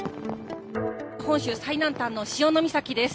本州最南端の潮岬です。